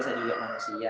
saya juga manusia